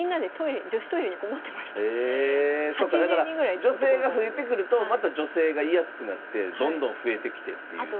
そっかだから女性が増えてくるとまた女性がいやすくなってどんどん増えてきてっていうので。